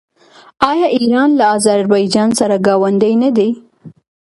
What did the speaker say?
آیا ایران له اذربایجان سره ګاونډی نه دی؟